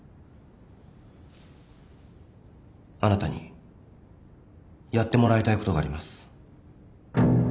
あなたにやってもらいたいことがあります。